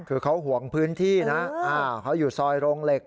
คือเขาห่วงพื้นที่นะเขาอยู่ซอยโรงเหล็ก